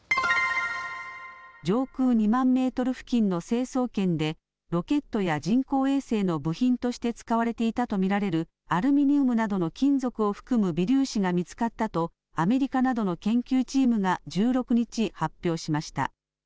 上空２万メートル付近の成層圏でロケットや人工衛星の部品として使われていたと見られるアルミニウムなどの金属を含む微粒子が見つかったとアメリカなどの研究チームが１６日、発表しました。